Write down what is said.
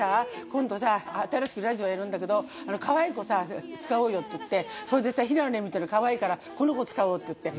「今度さ新しくラジオやるんだけど可愛い子さ使おうよ」って言ってそれでさ「平野レミっていうの可愛いからこの子使おう」って言って。